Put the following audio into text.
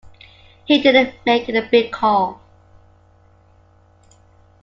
He didn't make a big call.